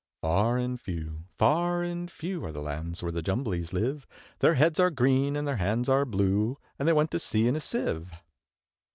Far and few, far and few, Are the lands where the Jumblies live; Their heads are green, and their hands are blue, And they went to sea in a Sieve.